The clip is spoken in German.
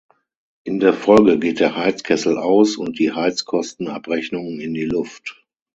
In der Folge geht der Heizkessel aus und die Heizkostenabrechnung in die Luft.